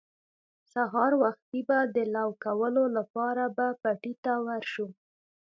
سهار وختي به د لو کولو لپاره به پټي ته ور شو.